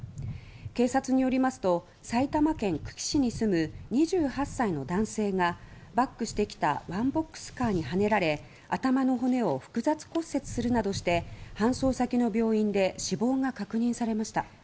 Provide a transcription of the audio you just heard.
警察によりますと埼玉県久喜市に住む２８歳の男性がバックしてきたワンボックスカーにはねられ頭の骨を複雑骨折するなどして搬送先の病院で死亡が確認されました。